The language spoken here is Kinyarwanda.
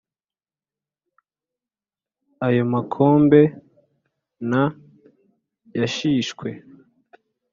Ayo makombe nta yashishwe;